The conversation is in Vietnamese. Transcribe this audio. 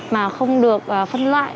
mà không được phân loại